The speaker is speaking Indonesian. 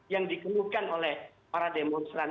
yang dikeluhkan oleh para demonstran